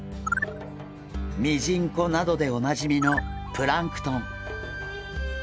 ミジンコなどでおなじみのプランクトン。